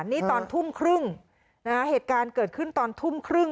นี่ตอนทุ่มครึ่งนะฮะเหตุการณ์เกิดขึ้นตอนทุ่มครึ่ง